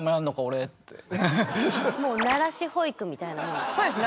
もう慣らし保育みたいなもんですね。